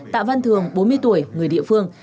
tạ văn thường bốn mươi tuổi người địa phương